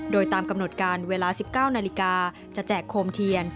โดยตามกำหนดการเวลา๑๙นาฬิกาจะแจกโคมเทียน